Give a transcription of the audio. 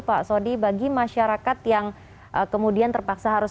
pak sodi bagi masyarakat yang kemudian terpaksa harus